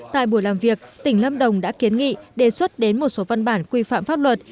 tại buổi làm việc tỉnh lâm đồng đã kiến nghị đề xuất đến một số văn bản quy phạm pháp luật